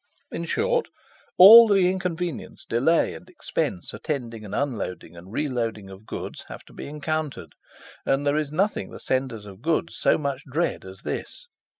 "In short, all the inconvenience, delay, and expense attending an unloading and reloading of goods have to be encountered, and there is nothing the senders of goods so much dread as this.